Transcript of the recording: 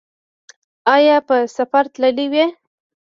ایا په سفر تللي وئ؟